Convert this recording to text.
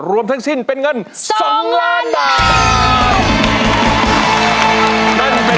รวมทั้งสิ้นเป็นเงิน๒ล้านบาท